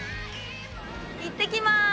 行ってきます！